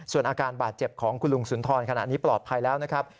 ส่วนอาการบาดเจ็บของคุณลุงสุนทรขณะนี้ปลอดภัยแล้วนะครับ